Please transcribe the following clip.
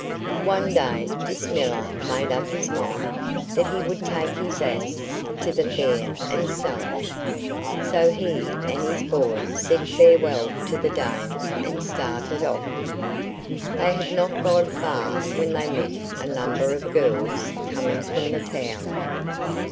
One day this miller made up his mind that he would take his ass to the fair and sell it. So he and his boy said farewell to the dame and started off. They had not gone far when they met a number of girls coming from the town.